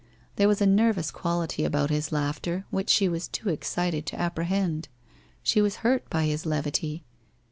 There was a nervous quality about his laughter which she was too excited to apprehend. She was hurt by his levity.